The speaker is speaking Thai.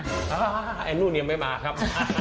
อ้าวไอ้นู้นยังไม่มาครับ